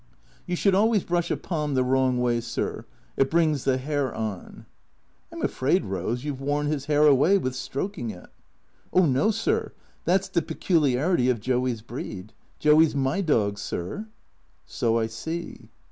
" You should always brush a Pom the wrong way, sir. It brings the hair on." " I 'm afraid. Rose, you 've worn his hair away with stroking it." " Oh no, sir. That 's the peculiarity of Joey's breed. Joey 's my dog, sir." " So I see."